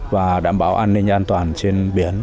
và đảm bảo an ninh an toàn trên biển